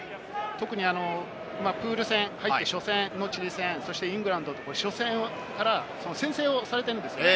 特にプール戦入って、初戦のチリ戦、イングランドと初戦から先制をされているんですね。